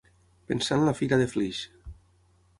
Pensar en la fira de Flix.